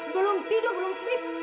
belum tidur belum tidur